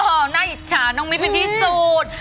โอ้น่าอิจฉาน้องมินที่สุด